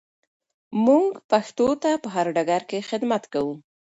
موږ پښتو ته په هر ډګر کې خدمت کوو.